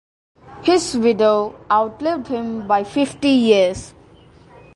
His widow outlived him by fifty years.